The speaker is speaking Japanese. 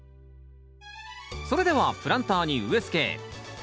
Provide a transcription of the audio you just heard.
それではプランターに植え付け。